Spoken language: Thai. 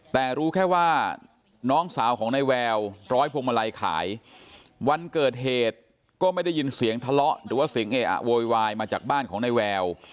แต่รู้แค่ว่าน้องสาวของนายแววร้อยพวงมาลัยขายวันเกิดเหตุก็ไม่ได้ยินเสียงทะเลาะหรือว่าเสียงเออะโวยวายมาจากบ้านของนายแวว